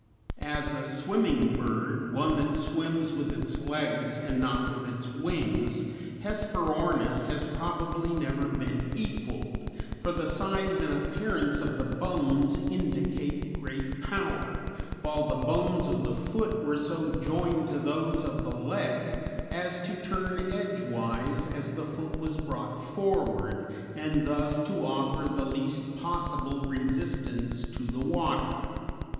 As a swimming bird, one that swims with its legs and not with its wings, Hesperornis has probably never been equalled, for the size and appearance of the bones indicate great power, while the bones of the foot were so joined to those of the leg as to turn edgewise as the foot was brought forward and thus to offer the least possible resistance to the water.